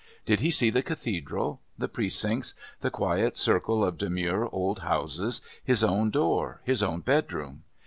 Did he see the Cathedral, the Precincts, the quiet circle of demure old houses, his own door, his own bedroom?